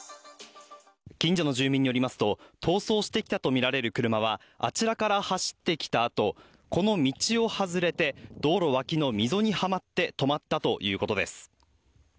近所の住民によりますと逃走してきたとみられる車はあちらから走ってきたあとこの道を外れて道路脇の溝にはまって止まったということです。